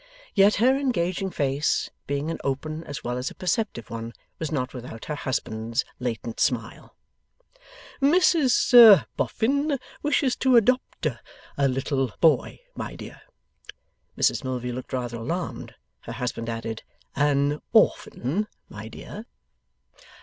Yet her engaging face, being an open as well as a perceptive one, was not without her husband's latent smile. 'Mrs Boffin wishes to adopt a little boy, my dear.' Mrs Milvey, looking rather alarmed, her husband added: 'An orphan, my dear.